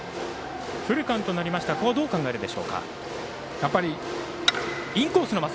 フルカウントになりましたどう考えるでしょうか。